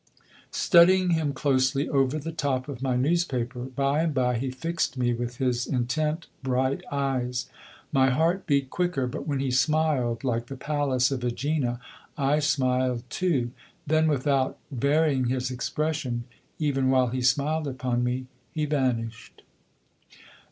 Studying him closely over the top of my newspaper, by and by he fixed me with his intent, bright eyes. My heart beat quicker; but when he smiled like the Pallas of Ægina I smiled too. Then, without varying his expression, even while he smiled upon me, he vanished.